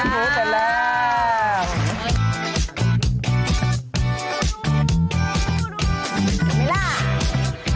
แค่นี้เลย